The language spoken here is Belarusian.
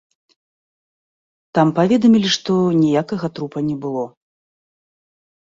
Там паведамілі, што ніякага трупа не было.